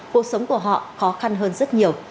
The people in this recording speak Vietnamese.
cuộc sống của họ khó khăn hơn rất nhiều